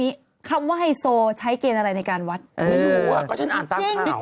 ดูว่าไต้น้ำหอมดีขนาดนั้นเลยเหรอ